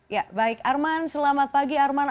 ya baik arman selamat pagi arman